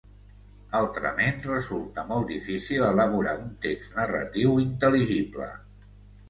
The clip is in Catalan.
Altrament resulta molt difícil elaborar un text narratiu intel·ligible.